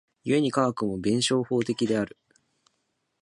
故に科学も弁証法的である。